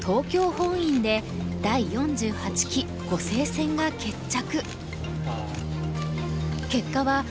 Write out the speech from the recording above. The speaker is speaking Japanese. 本院で第４８期碁聖戦が決着。